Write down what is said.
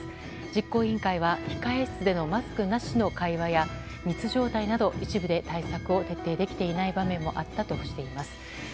実行委員会は控室でのマスクなしの会話や密状態など一部で対策を徹底できていない場面もあったとしています。